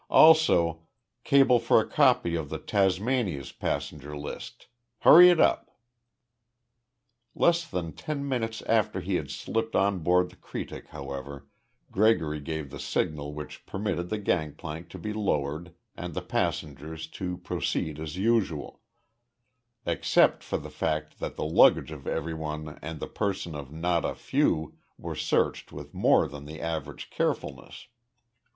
Also cable for a copy of the Tasmania's passenger list. Hurry it up!" Less than ten minutes after he had slipped on board the Cretic, however, Gregory gave the signal which permitted the gangplank to be lowered and the passengers to proceed as usual except for the fact that the luggage of everyone and the persons of not a few were searched with more than the average carefulness.